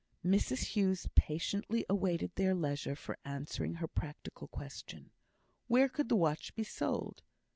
Mrs Hughes patiently awaited their leisure for answering her practical question. Where could the watch be sold?